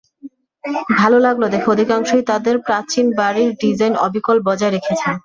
ভালো লাগল দেখে অধিকাংশই তাদের প্রাচীন বাড়ির ডিজাইন অবিকল বজায় রেখেছেন।